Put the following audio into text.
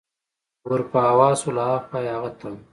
ور په هوا شو، له ها خوا یې هغه تن.